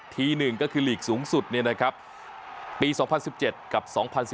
ที๑ก็คือลีกสูงสุดปี๒๐๑๗กับ๒๐๑๙